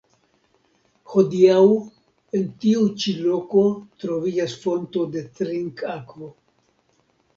Hodiaŭ en tiu ĉi loko troviĝas fonto de trinkakvo.